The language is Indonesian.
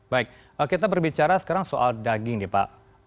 baik kita berbicara sekarang soal daging nih pak